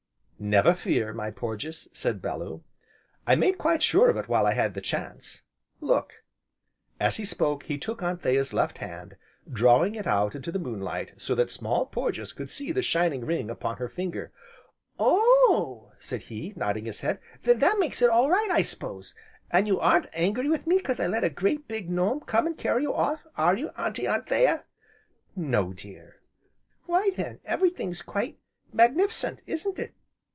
"Never fear, my Porges," said Bellew, "I made quite sure of it while I had the chance, look!" As he spoke, he took Anthea's left hand, drawing it out into the moonlight, so that Small Porges could see the shining ring upon her finger. "Oh!" said he, nodding his head, "then that makes it all right I s'pose. An' you aren't angry with me 'cause I let a great, big gnome come an' carry you off, are you, Auntie Anthea?" "No, dear." "Why then, everything's quite magnif'cent, isn't it?